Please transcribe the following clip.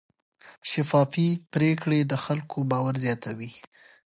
شفافې پریکړې د خلکو باور زیاتوي.